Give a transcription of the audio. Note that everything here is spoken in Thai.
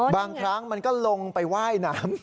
บางครั้งมันก็ลงไปว่ายน้ำ